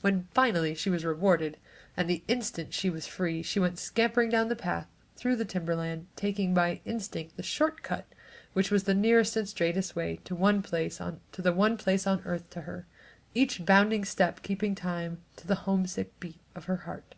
When finally she was rewarded, and the instant she was free, she went scampering down the path, through the timberland, taking by instinct the "short cut" which was the nearest and straightest way to the one place on earth to her, each bounding step keeping time to the homesick beat of her heart.